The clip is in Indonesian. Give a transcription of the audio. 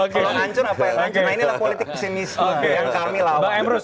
kalau hancur apa yang hancur nah inilah politik negara